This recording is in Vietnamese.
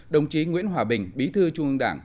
đồng chí nguyễn hòa bình bí thư trung ương đảng